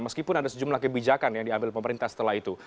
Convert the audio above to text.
meskipun ada sejumlah kebijakan yang diambil pemerintah setelah itu